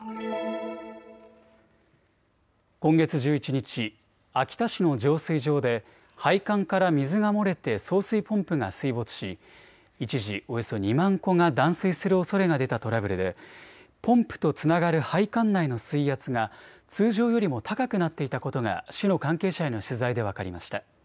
今月１１日、秋田市の浄水場で配管から水が漏れて送水ポンプが水没し、一時およそ２万戸が断水するおそれが出たトラブルでポンプとつながる配管内の水圧が通常よりも高くなっていたことが市の関係者への取材で分かりました。